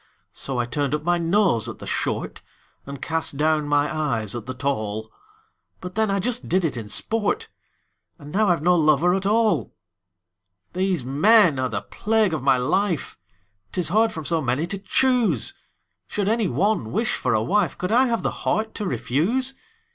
So I turned up my nose at the short, And cast down my eyes at the tall; But then I just did it in sport And now I've no lover at all! These men are the plague of my life: 'Tis hard from so many to choose! Should any one wish for a wife, Could I have the heart to refuse?